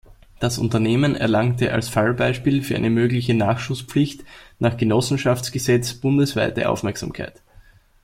Das Unternehmen erlangte als Fallbeispiel für eine mögliche Nachschusspflicht nach Genossenschaftsgesetz bundesweite Aufmerksamkeit.